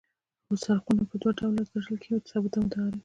څرخونه په دوه ډوله تړل کیږي ثابت او متحرک.